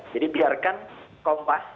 jadi biarkan kompas